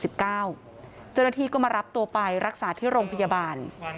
เจ้าหน้าที่ก็มารับตัวไปรักษาที่โรงพยาบาล